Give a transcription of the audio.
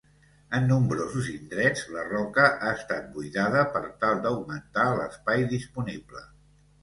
En nombrosos indrets la roca ha estat buidada per tal d'augmentar l'espai disponible.